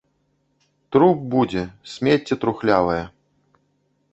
Труп будзе, смецце трухлявае.